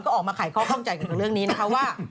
ก็ออกมาข่ายข้อข้องใจกับเรื่องนี้นะคะว่า